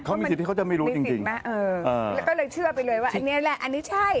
เขาที่ก็จะรู้ไม่ดีไปเลยเชื่อไปเลยว่ายาแหละอันนี้ใช่